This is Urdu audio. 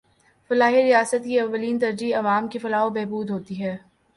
فلاحی ریاست کی اولین ترجیح عوام کی فلاح و بہبود ہوتی ہے